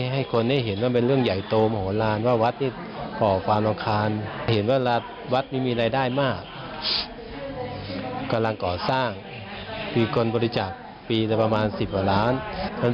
ทั้งเรื่องของคณะสงฆ์ทางเช้าบ้านด้วย